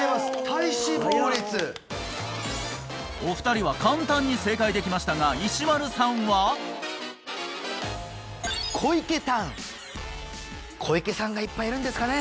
体脂肪率はやっお二人は簡単に正解できましたが石丸さんは？こいけたうんこいけさんがいっぱいいるんですかね